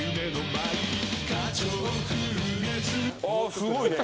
すごいね！